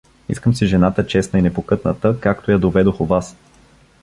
Искам си жената честна и непокътната, както я доведох у вас!